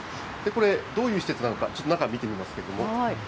これ、どういう施設なのか、ちょっと中、見てみますけれども。